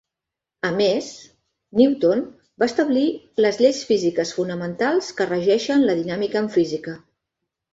A més, Newton va establir les lleis físiques fonamentals que regeixen la dinàmica en física.